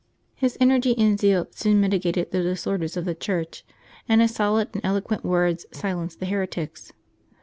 His energy and zeal soon mitigated the disorders of the Church, and his solid and eloquent words silenced the heretics.